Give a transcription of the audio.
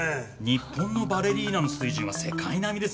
日本のバレリーナの水準は世界並みですね。